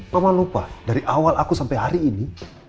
mama lupa dari awal aku sampai hari ini